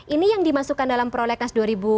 ini yang dimasukkan dalam prolegnas dua ribu